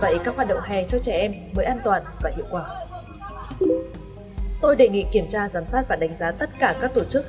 tôi đề nghị kiểm tra giám sát và đánh giá tất cả các tổ chức